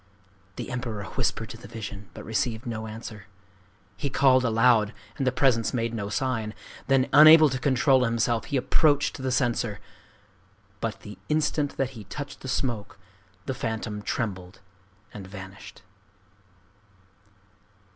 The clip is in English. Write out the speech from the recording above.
The Emperor whispered to the vision, but received no answer. He called aloud, and the presence made no sign. Then unable to control himself, he approached the censer. But the instant that he touched the smoke, the phantom trembled and vanished.